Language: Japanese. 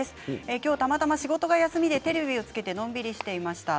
今日たまたま仕事が休みでテレビをつけてのんびりしていました。